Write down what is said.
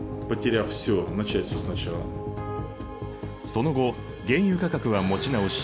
その後原油価格は持ち直し